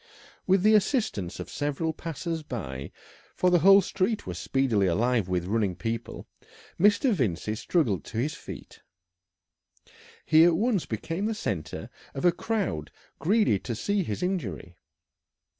With the assistance of several passers by for the whole street was speedily alive with running people Mr. Vincey struggled to his feet. He at once became the centre of a crowd greedy to see his injury.